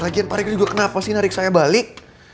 lagian pak regar juga kenapa sih narik saya balik